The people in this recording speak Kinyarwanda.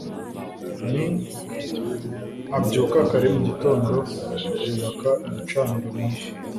n Abyuka kare mu gitondo yubaka igicaniro munsi